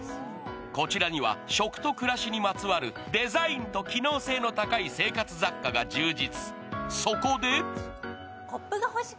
こちらには食と暮らしにまつわる、デザインと機能性の高い生活雑貨が充実。